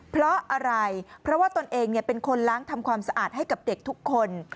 เพราะอะไรเพราะว่าตนเองเป็นคนล้างทำความสะอาดให้กับเด็กทุกคน